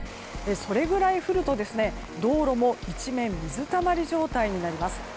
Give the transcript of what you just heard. それぐらい降ると道路も一面水たまり状態になります。